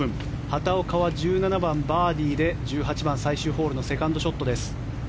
畑岡は１７番、バーディーで１８番、最終ホールのセカンドショットです。